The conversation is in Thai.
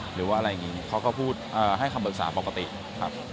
หรือว่าอะไรอย่างนี้เขาก็พูดให้คำปรึกษาปกติครับ